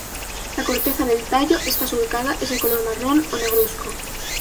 La corteza del tallo está surcada, es de color marrón o negruzco.